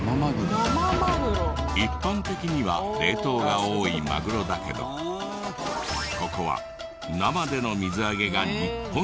一般的には冷凍が多いマグロだけどここは生での水揚げが日本一。